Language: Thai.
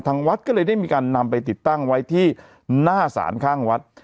วัดก็เลยได้มีการนำไปติดตั้งไว้ที่หน้าศาลข้างวัด